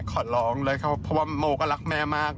ขอร้องเลยครับเพราะว่าโมก็รักแม่มาก